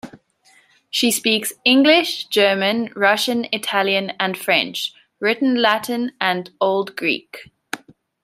She speaks: English, German, Russian, Italian and French; written Latin and Old Greek.